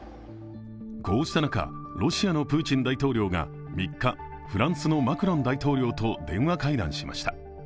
こうした中、ロシアのプーチン大統領が３日、フランスのマクロン大統領と電話会談しました。